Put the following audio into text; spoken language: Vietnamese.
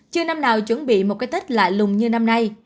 chưa năm nào chuẩn bị một cái tết lạ lùng như năm nay